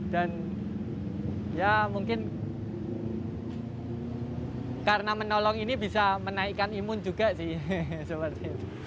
dan ya mungkin karena menolong ini bisa menaikkan imun juga sih